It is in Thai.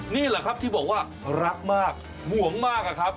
นี่แหละครับที่บอกว่ารักมากห่วงมากอะครับ